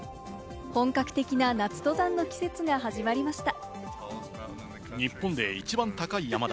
本格的な夏登山の季節が始まりました。